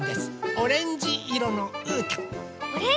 オレンジいろのうーたん。